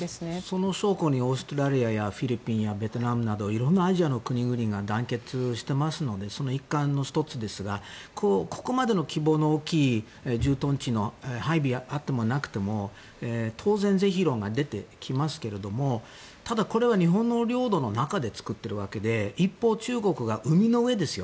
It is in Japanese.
その証拠にオーストラリアやフィリピンやベトナムなど色んなアジアの国々が団結してますのでその一環の１つですがここまでの規模の大きい駐屯地の配備があってもなくても当然、是非論が出てきますけれどただ、これは日本の領土の中で作っているわけで一方、中国が海の上ですよ。